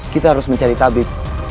kita harus mencari tabib